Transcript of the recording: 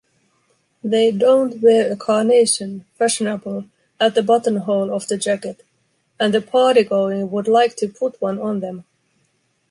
They don’t wear a carnation, fashionable, at the buttonhole of the jacket - and the party-going would like to put one on them.